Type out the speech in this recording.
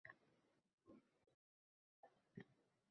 Engil tin oldim